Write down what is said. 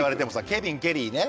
ケビンケリーね